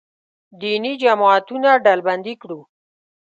دیني جماعتونه ډلبندي کړو.